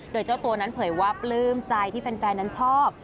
โดยเจ้าตัวนั้นเผยว่าปลื้มใจที่แฟนนั้นชอบ